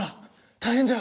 大変じゃ！